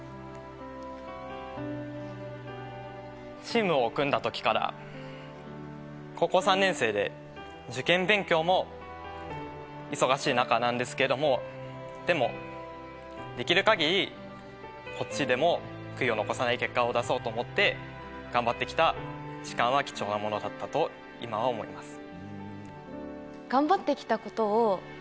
チームを組んだ時から高校３年生で受験勉強も忙しい中なんですけどもでもできる限りこっちでも悔いを残さない結果を出そうと思って頑張って来た時間は貴重なものだったと今は思います。